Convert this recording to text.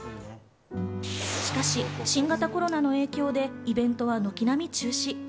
しかし新型コロナの影響でイベントは軒並み中止。